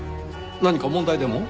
何か問題でも？